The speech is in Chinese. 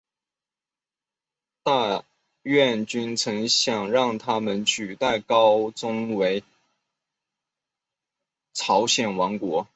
大院君曾想让他取代高宗为朝鲜国王。